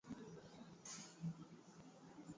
mojawapo lilikuwa na bwawa la mamba na simba wa